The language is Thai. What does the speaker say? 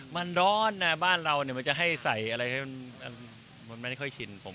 มันร้อนนะบ้านเราเนี่ยมันจะให้ใส่อะไรให้มันไม่ได้ค่อยชินผม